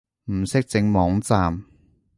唔識整網站